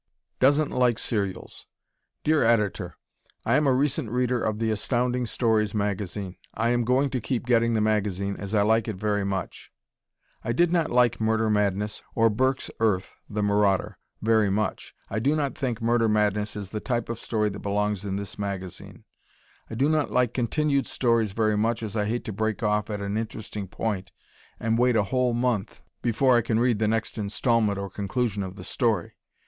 Doesn't Like Serials Dear Editor: I am a recent reader of the Astounding Stories magazine. I am going to keep getting the magazine, as I like it very much. I did not like "Murder Madness," or Burks' "Earth, the Marauder" very much. I do not think "Murder Madness" is the type of story that belongs in this magazine. I do not like continued stories very much as I hate to break off at an interesting point and wait a whole month before I can read the next installment or conclusion of the story.